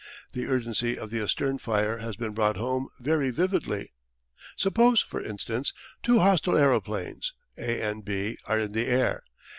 The urgency of astern fire has been brought home very vividly. Suppose, for instance, two hostile aeroplanes, A and B, are in the air.